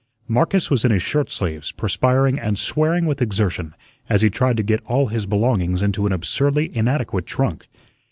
Marcus was in his shirt sleeves, perspiring and swearing with exertion as he tried to get all his belongings into an absurdly inadequate trunk.